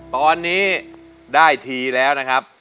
ตอนนี้ได้ทีแล้วนะครับ